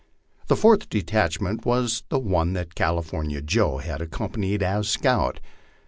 The fourth detachment was that one which California Joe had accompanied as scout.